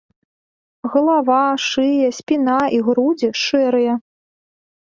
Галава, шыя, спіна і грудзі шэрыя.